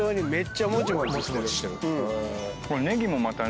ネギもまたね